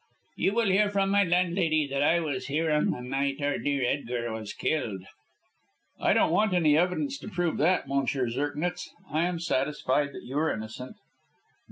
"You will hear from my landlady that I was here on the night our dear Edgar was killed." "I don't want any evidence to prove that, M. Zirknitz. I am satisfied that you are innocent."